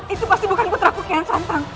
itu pasti bukan putra kukian santang